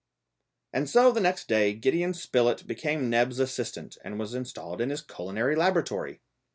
And so the next day Gideon Spilett became Neb's assistant and was installed in his culinary laboratory.